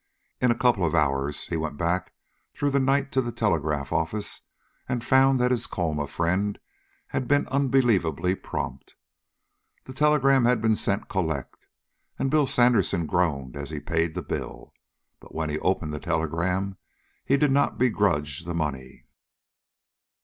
In a couple of hours he went back through the night to the telegraph office and found that his Colma friend had been unbelievably prompt. The telegram had been sent "collect," and Bill Sandersen groaned as he paid the bill. But when he opened the telegram he did not begrudge the money.